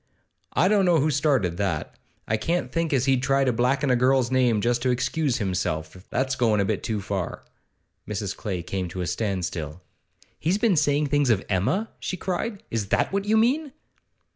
I don't know who started that. I can't think as he'd try to blacken a girl's name just to excuse himself; that's goin' a bit too far.' Mrs. Clay came to a standstill. 'He's been saying things of Emma?' she cried. 'Is that what you mean?